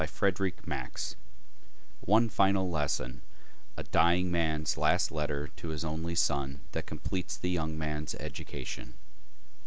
Frederic Max_ One final lesson a dying man's last letter to his only son that completes the young man's education.